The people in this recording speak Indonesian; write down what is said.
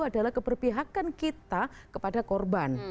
adalah keberpihakan kita kepada korban